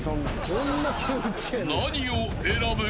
［何を選ぶ？］